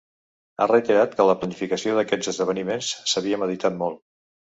Ha reiterat que la planificació d’aquests esdeveniment s’havia meditat molt.